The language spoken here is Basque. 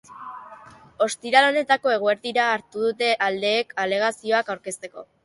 Ostiral honetako eguerdira arte dute aldeek alegazioak aurkezteko.